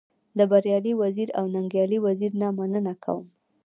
د بريالي وزيري او ننګيالي وزيري نه مننه کوم.